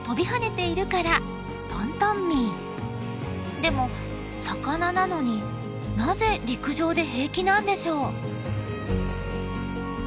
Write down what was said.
でも魚なのになぜ陸上で平気なんでしょう？